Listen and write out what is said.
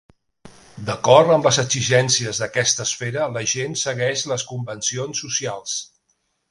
D'acord amb les exigències d'aquesta esfera la gent segueix les convencions socials.